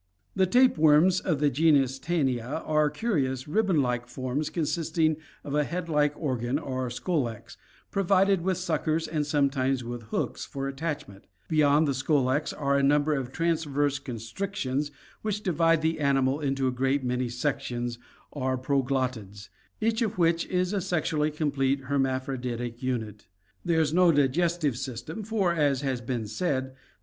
PARASITISM AND DEGENERACY 273 The tapeworms of the genus Tania are curious, ribbon like forms consisting of a head like > organ or scolex, provided with suckers and some times with hooks for attachment; beyond the scolex are a number of transverse constrictions which divide the animal into a great many sec tions or proglottids, each of which is a sexually complete hermaphroditic FlG. 44. — Tapeworm of the pig, Tania solium.